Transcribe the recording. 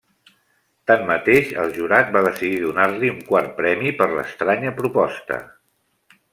Tanmateix, el jurat va decidir donar-li un quart premi per l'estranya proposta.